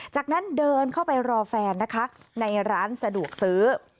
จากนั้นเดินเข้าไปรอแฟนนะคะในร้านสะดวกซื้อ